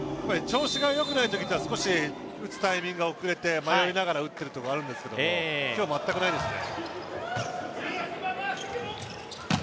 調子がよくないときは少し打つタイミングが遅れて迷いながら打っているところがあるんですけれども、今日は全くないですね。